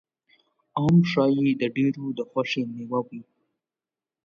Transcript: ام ښایي د ډېرو د خوښې مېوه وي.